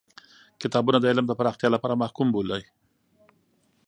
کتابونه د علم د پراختیا لپاره محکوم بولی.